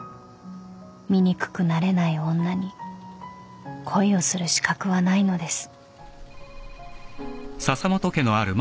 ［醜くなれない女に恋をする資格はないのです］